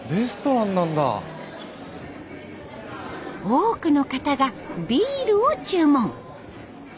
多くの方がビールを注文。